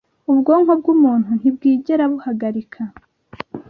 ubwonko bwumuntu ntibwigera buhagarika